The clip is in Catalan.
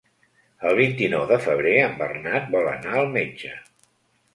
El vint-i-nou de febrer en Bernat vol anar al metge.